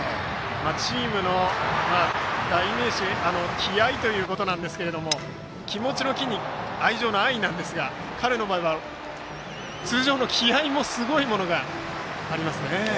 チームの代名詞「気愛」ということで気持ちの「気」に愛情の「愛」なんですが彼の場合は通常の気合いもすごいものがありますね。